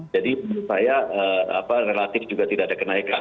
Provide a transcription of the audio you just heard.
jadi saya apa relatif juga tidak ada kenaikan